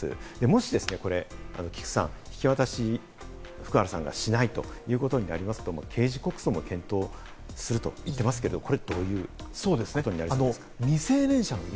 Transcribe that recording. もしですね、これ、菊地さん、引き渡しを福原さんがしないということになりますと、刑事告訴も検討すると言ってますけれども、これ、どういう？ことになりそうですか？